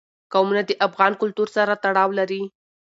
قومونه د افغان کلتور سره تړاو لري.